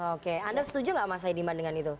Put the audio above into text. oke anda setuju gak mas ediman dengan itu